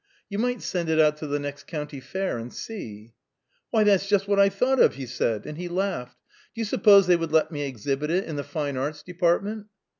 "You might send it out to the next County Fair, and see." "Why, that's just what I thought of!" he said, and he laughed. "Do you suppose they would let me exhibit it in the Fine Arts Department?"